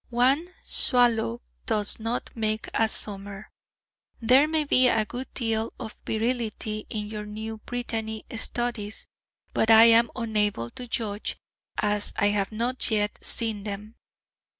One swallow does not make a summer. There may be a good deal of virility in your new Brittany studies; but I am unable to judge as I have not yet seen them.